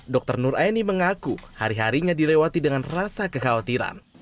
dr nur aini mengaku hari harinya dilewati dengan rasa kekhawatiran